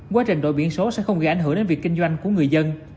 quá trình đổi biển số sẽ không gây ảnh hưởng đến việc kinh doanh của người dân